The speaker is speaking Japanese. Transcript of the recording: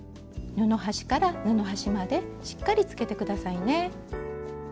布端から布端までしっかりつけて下さいね。